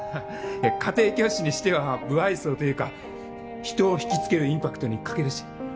家庭教師にしては無愛想というか人を引きつけるインパクトに欠けるし。